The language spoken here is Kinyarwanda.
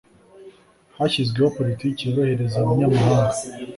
hashyizweho politiki yorohereza abanyamahanga